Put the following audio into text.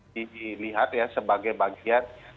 dilihat sebagai bagian